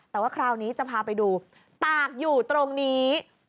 แต่ว่าคราวนี้จะพาไปดูตากอยู่ตรงนี้